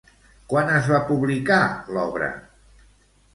Quan es va publicar, l'obra?